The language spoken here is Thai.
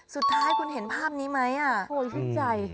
สุดท้ายคุณเห็นภาพนี้ไหมโอ้ยชื่นใจ